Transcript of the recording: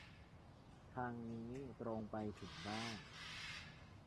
ทางนี้ตรงไปถึงบ้าน